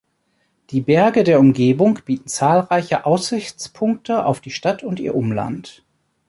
Die Berge der Umgebung bieten zahlreiche Aussichtspunkte auf die Stadt und ihr Umland.